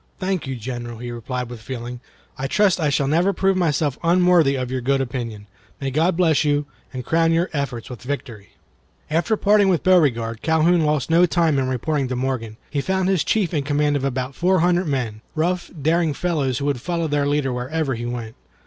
"Thank you, General," he replied, with feeling. "I trust I shall never prove myself unworthy of your good opinion. May God bless you, and crown your efforts with victory!" After parting with Beauregard, Calhoun lost no time in reporting to Morgan. He found his chief in command of about four hundred men, rough, daring fellows who would follow their leader wherever he went.